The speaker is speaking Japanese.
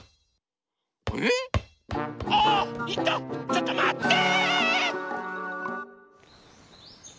ちょっとまって！